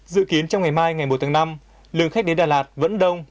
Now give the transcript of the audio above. dự kiến trong ngày mai ngày một tháng năm lượng khách đến đà lạt vẫn đông